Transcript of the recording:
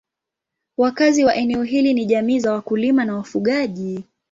Wakazi wa eneo hili ni jamii za wakulima na wafugaji.